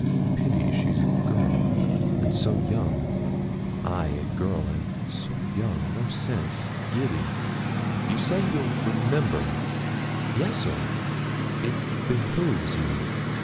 'Pity she's a girl, and so young ay, a girl, and so young no sense giddy. You say, you'll remember?' 'Yes, sir.' 'It behoves you.'